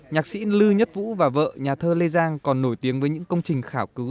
nhạc sĩ lư nhất vũ và vợ nhà thơ lê giang còn nổi tiếng với những công trình khảo cứu